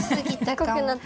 こくなった。